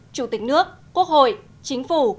chủ tịch nước quốc hội chính phủ